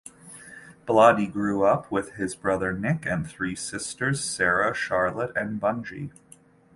Baladi grew up with his brother Nick and three sisters Sara, Charlotte, and Bungie.